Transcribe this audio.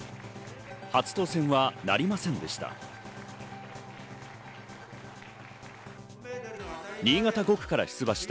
初当選はなりませんでした。